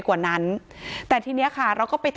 การแก้เคล็ดบางอย่างแค่นั้นเอง